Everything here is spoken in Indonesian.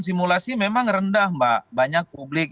simulasi memang rendah mbak banyak publik